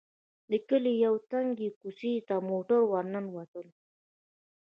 د کلي يوې تنګې کوڅې ته موټر ور ننوتلو.